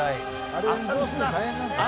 あれ移動するの大変なんだよ。